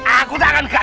aku tak akan gagal